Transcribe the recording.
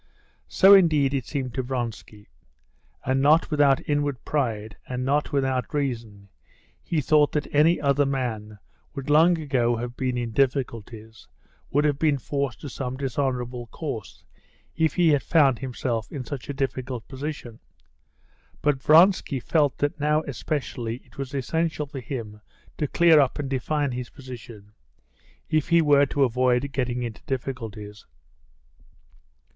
So indeed it seemed to Vronsky. And not without inward pride, and not without reason, he thought that any other man would long ago have been in difficulties, would have been forced to some dishonorable course, if he had found himself in such a difficult position. But Vronsky felt that now especially it was essential for him to clear up and define his position if he were to avoid getting into difficulties.